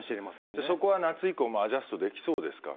そこは夏以降もアジャストできそうですか？